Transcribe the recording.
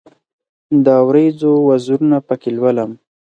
د اوریځو وزرونه پکښې لولم